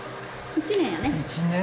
１年やね？